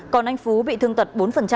còn anh phú bị thương tật bốn